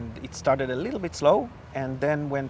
dan ketika orang orang memahami